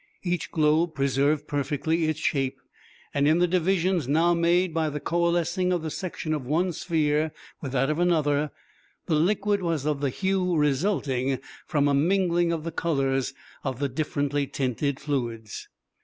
Each globe preserved perfectly its shape, and in the divisions now made by the coalescing of the section of one sphere with that of another the liquid was of the hue resulting from a mingling of the colors of the differently tinted fluids.